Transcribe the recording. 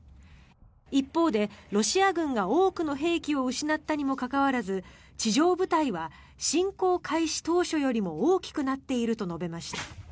一方でロシア軍が多くの兵器を失ったにもかかわらず地上部隊は侵攻開始当初よりも大きくなっていると述べました。